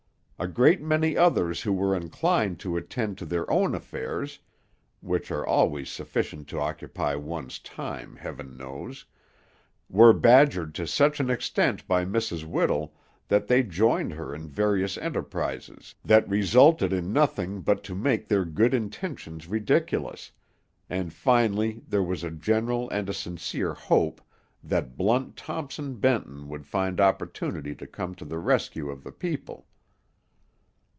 A great many others who were inclined to attend to their own affairs (which are always sufficient to occupy one's time, heaven knows) were badgered to such an extent by Mrs. Whittle that they joined her in various enterprises that resulted in nothing but to make their good intentions ridiculous, and finally there was a general and a sincere hope that blunt Thompson Benton would find opportunity to come to the rescue of the people.